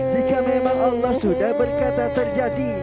jika memang allah sudah berkata terjadi